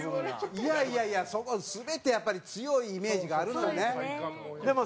いやいやいや全てやっぱり強いイメージがあるのよね。